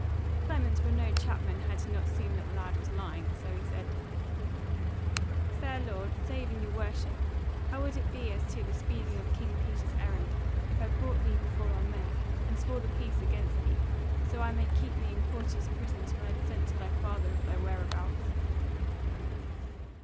Clement were no chapman had he not seen that the lad was lying; so he said: "Fair lord, saving your worship, how would it be as to the speeding of King Peter's errand, if I brought thee before our mayor, and swore the peace against thee; so that I might keep thee in courteous prison till I had sent to thy father of thy whereabouts?"